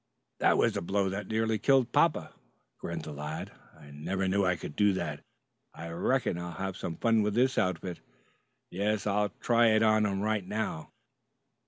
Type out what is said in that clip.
"That was the blow that near killed papa," grinned the lad. "I never knew I could do that. I reckon. I'll be having some fun with this outfit. Yes, I'll try it on right now."